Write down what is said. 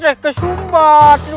iya seh kesumbat